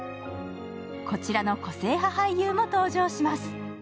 こちらの個性派俳優も登場します。